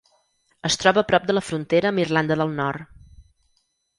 Es troba a prop de la frontera amb Irlanda del Nord.